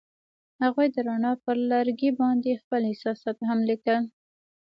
هغوی د رڼا پر لرګي باندې خپل احساسات هم لیکل.